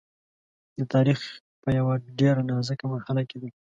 د تاریخ په یوه ډېره نازکه مرحله کې دی.